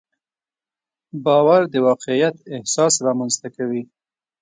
باور د واقعیت احساس رامنځته کوي.